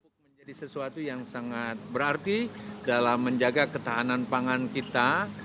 pupuk menjadi sesuatu yang sangat berarti dalam menjaga ketahanan pangan kita